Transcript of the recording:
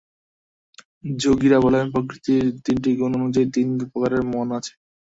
যোগীরা বলেন, প্রকৃতির তিনটি গুণ অনুযায়ী তিন প্রকারের মন আছে।